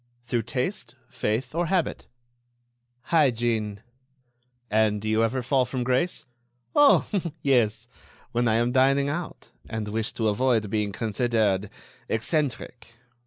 "Through taste, faith, or habit?" "Hygiene." "And do you never fall from grace?" "Oh! yes ... when I am dining out ... and wish to avoid being considered eccentric."